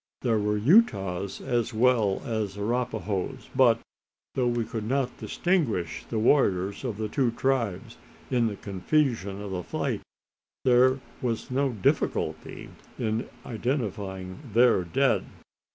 There were Utahs as well as Arapahoes; but, though we could not distinguish the warriors of the two tribes in the confusion of the fight, there was no difficulty in identifying their dead.